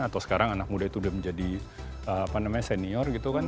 atau sekarang anak muda itu udah menjadi apa namanya senior gitu kan